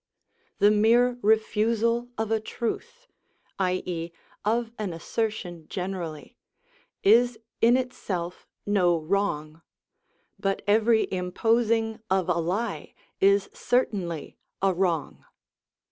The mere refusal of a truth, i.e., of an assertion generally, is in itself no wrong, but every imposing of a lie is certainly a wrong.